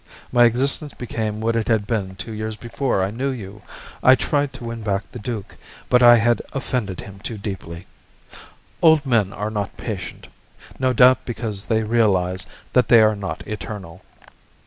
My existence became what it had been two years before I knew you. I tried to win back the duke, but I had offended him too deeply. Old men are not patient, no doubt because they realize that they are not eternal.